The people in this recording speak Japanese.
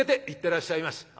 「行ってらっしゃいまし」。